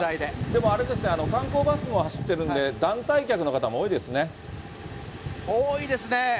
でもあれですね、観光バスも走ってるんで、団体客の方も多い多いですね。